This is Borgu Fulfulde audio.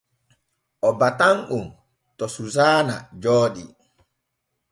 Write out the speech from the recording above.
O batan on to Susaana Jooɗi.